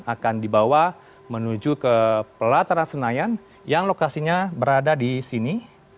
akan dibawa menuju ke pelataran senayan yang lokasinya berada di sini